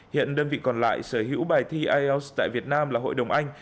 hiện đơn vị còn lại sở hữu bài thi ielts tại việt nam là hội đồng anh